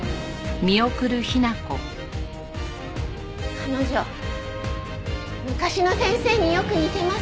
彼女昔の先生によく似てます。